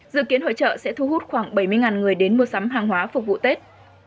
dự kiến hội trợ sẽ thu hút khoảng bảy mươi người đến mua sắm hàng hóa phục vụ tết